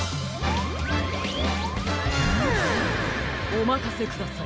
おまかせください